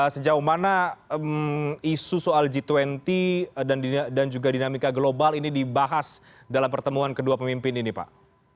sejauh mana isu soal g dua puluh dan juga dinamika global ini dibahas dalam pertemuan kedua pemimpin ini pak